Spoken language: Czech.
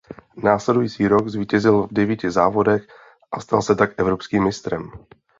Následující rok zvítězil v devíti závodech a stal se tak evropským mistrem.